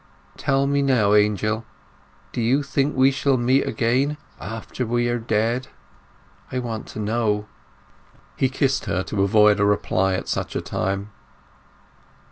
Tell me now, Angel, do you think we shall meet again after we are dead? I want to know." He kissed her to avoid a reply at such a time.